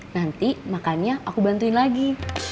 nanti makannya aku bantuin lagi